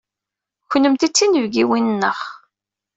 Kennemti d tinebgiwin-nneɣ.